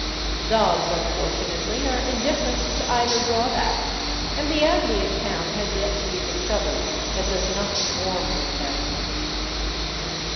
Dogs, unfortunately, are indifferent to either drawback, and the Andean town has yet to be discovered that does not swarm with them.